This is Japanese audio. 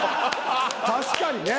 確かにね。